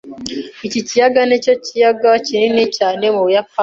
Iki kiyaga nicyo kiyaga kinini cyane mu Buyapani.